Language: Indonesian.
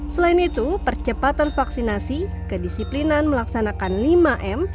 selain itu percepatan vaksinasi kedisiplinan melaksanakan lima m